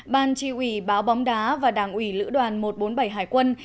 ban tri ủy báo bóng đá và đảng ủy lữ đoàn một trăm bốn mươi bảy hải quân